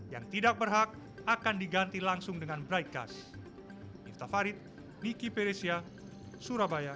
yang tidak berhak akan diganti langsung dengan bright gas